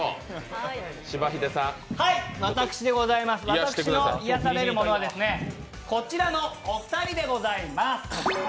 私の癒やされるものはこちらのお二人でございます。